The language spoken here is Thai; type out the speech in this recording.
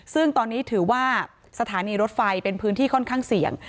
ซึ่งตอนนี้ถือว่าสถานีรถไฟเป็นพื้นที่ค่อนข้างเสี่ยง